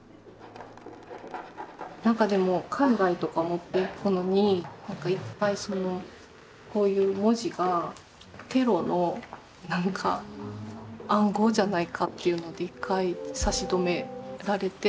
何かでも海外とか持っていくのに一回こういう文字がテロの何か暗号じゃないかっていうので一回差し止められて。